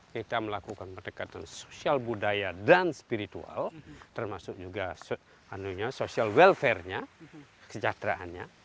kita melakukan kedekatan sosial budaya dan spiritual termasuk juga social welfarenya kecantraannya